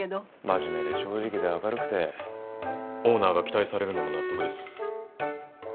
真面目で正直で明るくてオーナーが期待されるのも納得です。